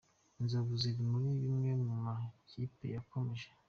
Inzovu ziri muri amwe mu ma kipe yakomeje